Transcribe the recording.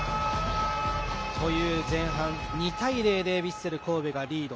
前半２対０でヴィッセル神戸がリード。